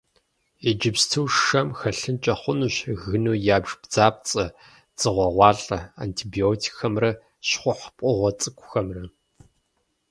Иджыпсту шэм хэлъынкӀэ хъунущ гыну ябж бдзапцӀэ, дзыгъуэгъалӀэ, антибиотикхэмрэ щхъухь пкъыгъуэ цӀыкӀухэмрэ.